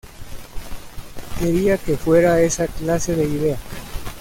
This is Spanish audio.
Quería que fuera esa clase de idea.